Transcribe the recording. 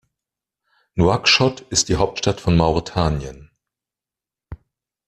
Nouakchott ist die Hauptstadt von Mauretanien.